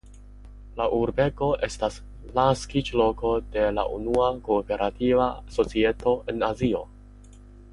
La urbego estas naskiĝloko de la unua kooperativa societo en Azio.